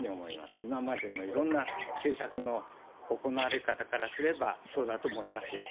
今までのいろんな政策の行われ方からすれば、そうだと思いますよ。